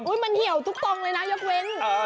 เหี่ยวทุกต่องเลยยังเหว็น